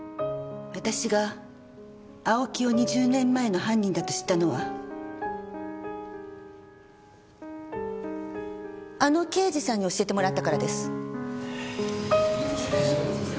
私が青木を２０年前の犯人だと知ったのはあの刑事さんに教えてもらったからです。